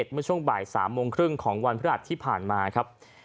เมื่อช่วงบ่าย๓โมงครึ่งของวันพฤหัสที่ผ่านมาครับ